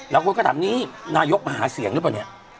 แล้วคนก็ถามนี่นายกมาหาเสียงหรือเปล่าเนี่ย